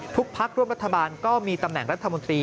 พักร่วมรัฐบาลก็มีตำแหน่งรัฐมนตรี